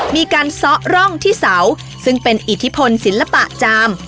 มีการซ้อร่องที่เสาซึ่งเป็นอิทธิพลศิลปะจาม